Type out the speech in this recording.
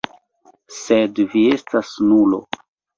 Sed vi estas nulo.